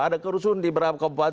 ada kerusun di beberapa kabupaten